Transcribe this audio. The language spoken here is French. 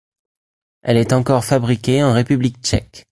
Elle est encore fabriquée en République Tchèque.